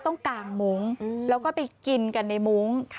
กลางมุ้งแล้วก็ไปกินกันในมุ้ง